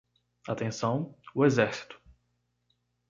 Atenção, o exército!